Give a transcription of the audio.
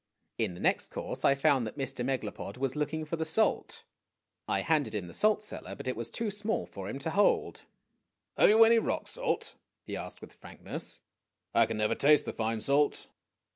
In the next course I found that Mr. Megalopod was looking for the salt. I handed him the salt cellar, but it was too small for him to hold. "Have you any rock salt?' he asked with frankness. "I can never taste the fine salt."